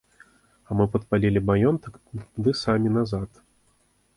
А мы падпалілі маёнтак ды самі назад.